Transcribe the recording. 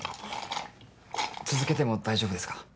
続けても大丈夫ですか？